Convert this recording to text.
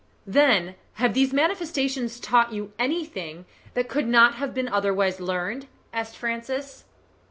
"Then have these manifestations taught you anything that could not have been otherwise learned?" asked Francis.